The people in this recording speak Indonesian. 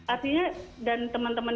artinya dan teman teman